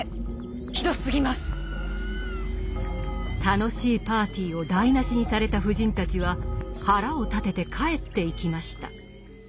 楽しいパーティーを台なしにされた夫人たちは腹を立てて帰っていきました。